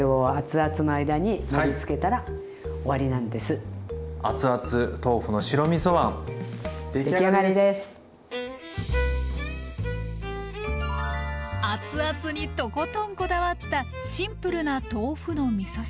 あつあつにとことんこだわったシンプルな豆腐のみそ汁。